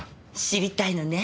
知りたいのね。